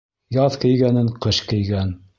Яҙ кейгәнен ҡыш кейгән.